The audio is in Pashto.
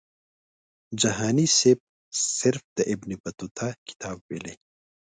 جهاني سیب صرف د ابن بطوطه کتاب ویلی.